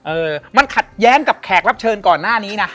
เออมันขัดแย้งกับแขกรับเชิญก่อนหน้านี้นะ